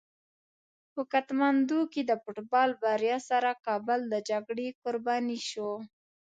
په کتمندو کې د فوټبال بریا سره کابل د جګړې قرباني شو.